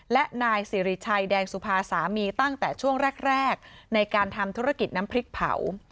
และนายสิริชัยแดงสุภาสามีตั้งแต่ช่วงแรกในการทำธุรกิจน้ำพริกเผา